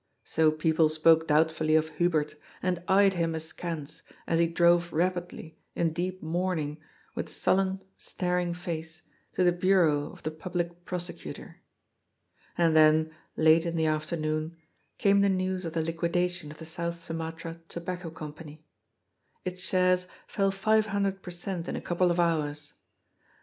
So people spoke doubtfully of Hubert, and eyed him askance, as he drove rapidly, in deep mourning, with sullen, staring face, to the Bureau of the Public Prosecutor. And then, late in the afternoon, came the news of the liquidation of the South Sumatra Tobacco Company. Its shares fell five hundred per cent, in a couple of hours.